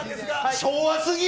昭和すぎる。